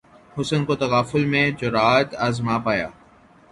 حسن کو تغافل میں جرأت آزما پایا